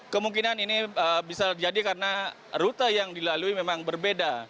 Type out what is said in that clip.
kemungkinan ini bisa jadi karena rute yang dilalui memang berbeda